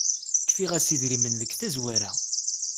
Kfiɣ-as idrimen deg tazwara.